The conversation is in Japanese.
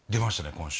今週。